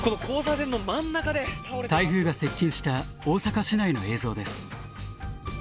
台風が接近した大阪市内の映像です。